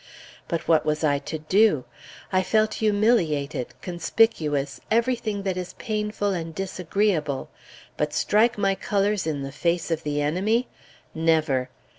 But what was I to do? I felt humiliated, conspicuous, everything that is painful and disagreeable; but strike my colors in the face of the enemy? Never!